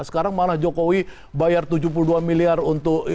sekarang malah jokowi bayar tujuh puluh dua miliar untuk